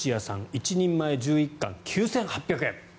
１人前１１貫９８００円。